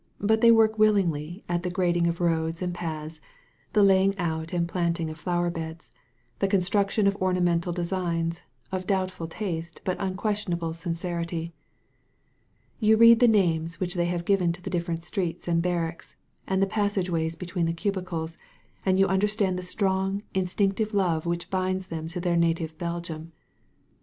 But they work willingly at the grading 28 A CITY OF REFUGE of roads and paths, the laying out and planting of flower beds» the construction of ornamental de signsy of doubtful taste but unquestionable sincerity. You read the names which they have given to the different streets and barracks, and the passage ways between the cubicles, and you understand the strong, instinctive love which binds them to their native Belgium.